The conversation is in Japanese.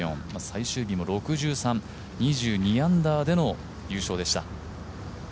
最終日も６３、２２アンダーでの優勝でした。